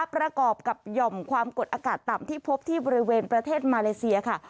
ประกอบกับหย่อมความกดอากาศต่ำที่พบที่บริเวณประเทศมาเลเซียค่ะ